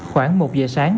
khoảng một giờ sáng